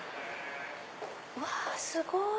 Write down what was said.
うわすごい！